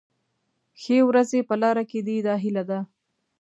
ښې ورځې په لاره کې دي دا هیله ده.